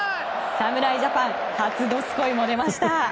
侍ジャパン初どすこい！も出ました。